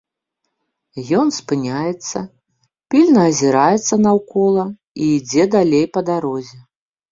Ён спыняецца, пільна азіраецца наўкола і ідзе далей па дарозе.